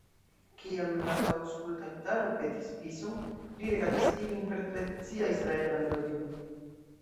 Kiam la aŭskultantaro petis bison, li regalis ilin per tradicia israela melodio.